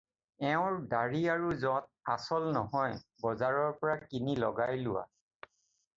এওঁৰ ডাঢ়ি আৰু জঁট আচল নহয়, বজাৰৰ পৰা কিনি লগাই লোৱা।